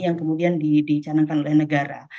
yang kemudian dicanangkan oleh negara